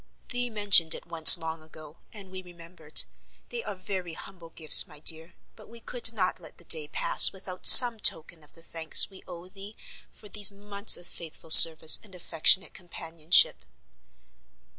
"Thee mentioned it once long ago, and we remembered. They are very humble gifts, my dear; but we could not let the day pass without some token of the thanks we owe thee for these months of faithful service and affectionate companionship."